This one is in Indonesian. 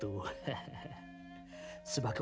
tuhan yang menjaga kita